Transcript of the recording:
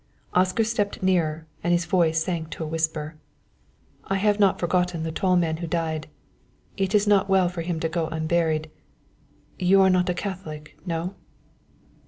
Oscar stepped nearer and his voice sank to a whisper. "I have not forgotten the tall man who died; it is not well for him to go unburied. You are not a Catholic no?"